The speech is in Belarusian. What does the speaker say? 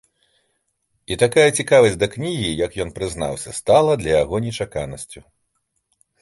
І такая цікавасць да кнігі, як ён прызнаўся, стала для яго нечаканасцю.